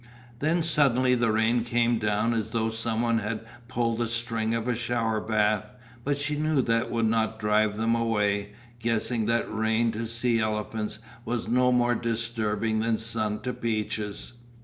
Then suddenly the rain came down as though someone had pulled the string of a shower bath, but she knew that would not drive them away, guessing that rain to sea elephants was no more disturbing than sun to peaches.